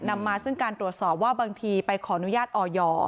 นำมาซึ่งการตรวจสอบว่าบางทีไปขออนุญาตออย